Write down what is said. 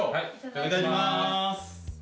いただきます。